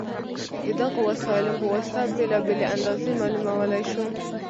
د دغو وسایلو په واسطه بېلابېلې اندازې معلومولی شو.